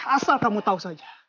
asal kamu tahu saja